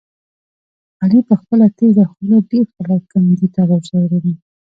علي په خپله تېزه خوله ډېر خلک کندې ته غورځولي دي.